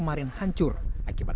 dalam kondisi hamil